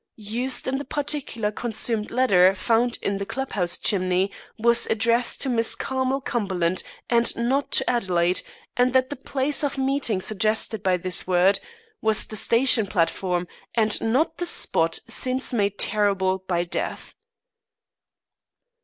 _' used in the partially consumed letter found in the clubhouse chimney was addressed to Miss Carmel Cumberland and not to Adelaide, and that the place of meeting suggested by this word was the station platform, and not the spot since made terrible by death."